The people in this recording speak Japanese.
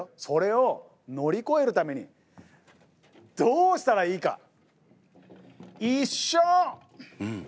それを乗り越えるためにどうしたらいいか。